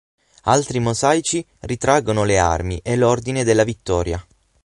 Altri mosaici ritraggono le armi, e l'Ordine della Vittoria.